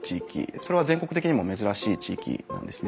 それは全国的にも珍しい地域なんですね。